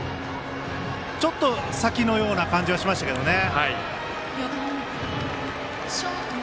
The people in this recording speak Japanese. ちょっと先のような感じはしましたけどね。